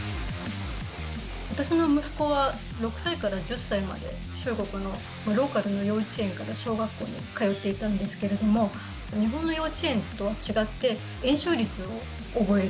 私の息子は６歳から１０歳まで、中国のローカルの幼稚園から小学校まで通っていたんですけれども、日本の幼稚園とは違って、円周率を覚える。